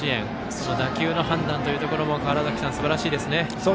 その打球の判断というのも川原崎さんすばらしいですね。